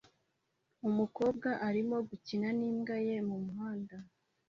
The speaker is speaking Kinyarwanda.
Umukobwa arimo gukina nimbwa ye mumuhanda